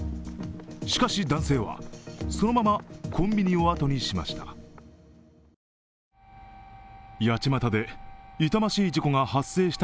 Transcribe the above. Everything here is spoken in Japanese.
しかし、男性はそのままコンビニをあとにしました。